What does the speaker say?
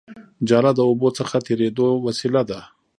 جاله د اوبو څخه تېرېدو وسیله ده